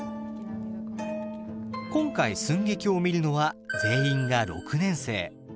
今回寸劇を見るのは全員が６年生。